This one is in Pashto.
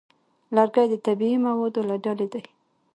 لرګی د طبیعي موادو له ډلې دی.